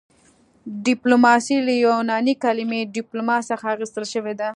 ډیپلوماسي له یوناني کلمې ډیپلوما څخه اخیستل شوې ده